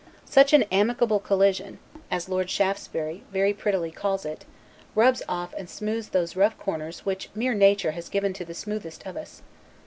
Such an AMICABLE COLLISION, as Lord Shaftesbury very prettily calls it, rubs off and smooths those rough corners which mere nature has given to the smoothest of us.